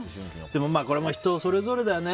これも人それぞれだよね。